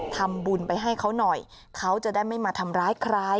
ทำบุญไปให้เขาหน่อย